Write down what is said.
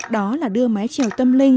đó là đưa mái trèo tâm linh